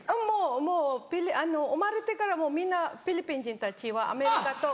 もう生まれてからもうみんなフィリピン人たちはアメリカと。